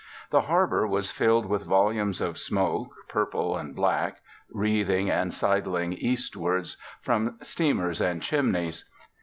The harbour was filled with volumes of smoke, purple and black, wreathing and sidling eastwards, from steamers and chimneys.